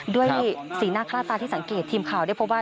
ด้วยสีหน้าค่าตาที่สังเกตทีมข่าวได้พบว่า